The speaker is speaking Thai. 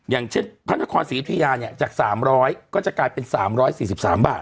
อย่างเช่นพระนครศรียุธยาเนี่ยจาก๓๐๐ก็จะกลายเป็น๓๔๓บาท